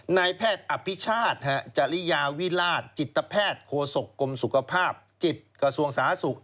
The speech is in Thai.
นายแพทย์อภิชาติจริยาวิราชจิตแพทย์โคศกกรมสุขภาพจิตกระทรวงสาธารณสุข